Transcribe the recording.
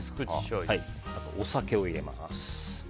あとはお酒を入れます。